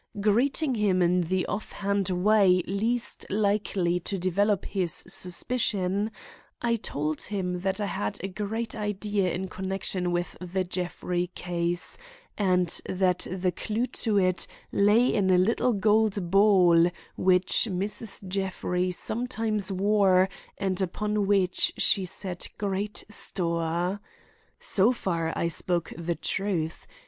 Greeting him in the offhand way least likely to develop his suspicion, I told him that I had a great idea in connection with the Jeffrey case and that the clue to it lay in a little gold ball which Mrs. Jeffrey sometimes wore and upon which she set great store. So far I spoke the truth.